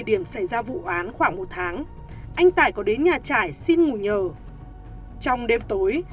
điểm xảy ra vụ án khoảng một tháng anh tải có đến nhà trải xin ngủ nhờ trong đêm tối